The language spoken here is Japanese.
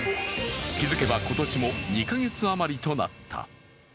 気づけば今年も２か月あまりとなった。